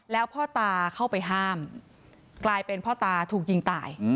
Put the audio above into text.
แล้วพ่อตาเข้าไปห้ามกลายเป็นพ่อตาถูกยิงตาย